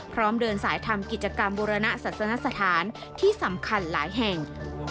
พร้อมเดินสายทำกิจกรรมบูรณสัตว์สถานที่สำคัญหลายแห่ง